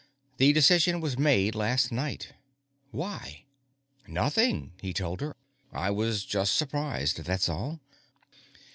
The decision was made last night. Why? Nothing, he told her. _I was just surprised, that's all.